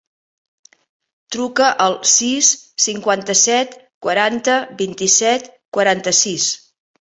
Truca al sis, cinquanta-set, quaranta, vint-i-set, quaranta-sis.